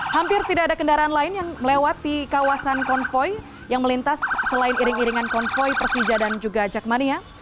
hampir tidak ada kendaraan lain yang melewati kawasan konvoy yang melintas selain iring iringan konvoy persija dan juga jakmania